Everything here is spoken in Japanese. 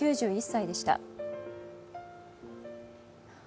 ９１歳でした。